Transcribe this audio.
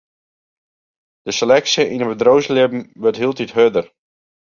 De seleksje yn it bedriuwslibben wurdt hieltyd hurder.